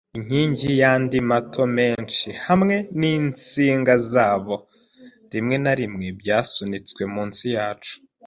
inkingi yandi mato menshi, hamwe ninsinga zabo rimwe na rimwe byasunitswe munsi yacu